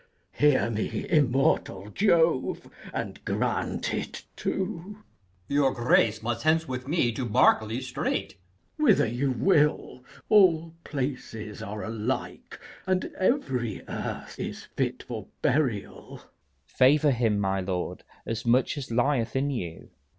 Hear me, immortal Jove, and grant it too! Berk. Your grace must hence with me to Berkeley straight. K. Edw. Whither you will: all places are alike, And every earth is fit for burial. Leices. Favour him, my lord, as much as lieth in you.